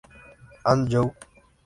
And You?